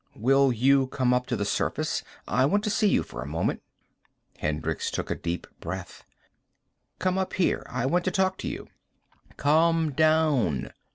"Will you come up to the surface? I want to see you for a moment." Hendricks took a deep breath. "Come up here with me. I want to talk to you." "Come down."